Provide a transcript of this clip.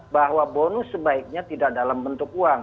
bahwa bonus sebaiknya tidak dalam bentuk uang